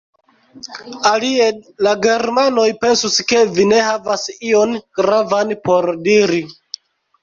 Alie la germanoj pensus ke vi ne havas ion gravan por diri!